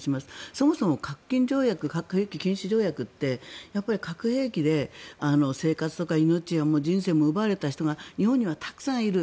そもそも核兵器禁止条約って核兵器で生活とか命や人生も奪われた人が日本にはたくさんいる。